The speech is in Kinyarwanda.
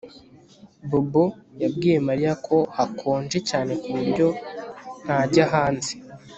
Bobo yabwiye Mariya ko hakonje cyane ku buryo ntajya hanze